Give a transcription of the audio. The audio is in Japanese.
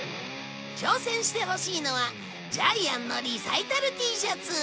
挑戦してほしいのはジャイアンのリサイタルＴシャツ。